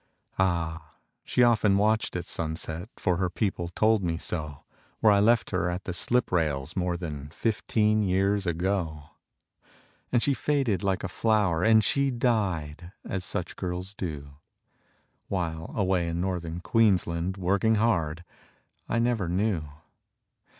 Ah! she often watched at sunset For her people told me so Where I left her at the slip rails More than fifteen years ago. And she faded like a flower, And she died, as such girls do, While, away in Northern Queensland, Working hard, I never knew.